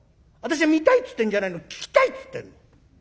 「私は見たいっつってんじゃないの聞きたいっつってんの。